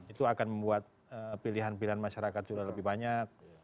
itu akan membuat pilihan pilihan masyarakat sudah lebih banyak